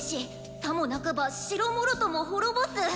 さもなくば城もろとも滅ぼす。